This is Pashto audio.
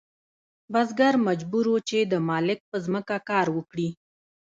بزګر مجبور و چې د مالک په ځمکه کار وکړي.